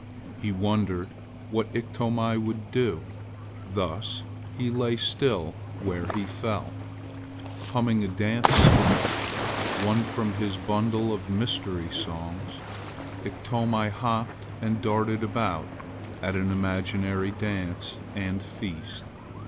He wondered what Iktomi would do, thus he lay still where he fell. Humming a dance song, one from his bundle of mystery songs, Iktomi hopped and darted about at an imaginary dance and feast.